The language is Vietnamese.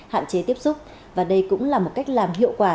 hạn chế tiếp xúc và đây cũng là một cách làm hiệu quả